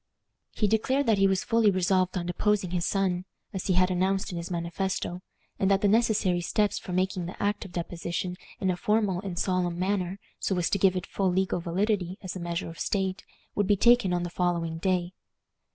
He declared that he was fully resolved on deposing his son, as he had announced in his manifesto, and that the necessary steps for making the act of deposition in a formal and solemn manner, so as to give it full legal validity as a measure of state, would be taken on the following day.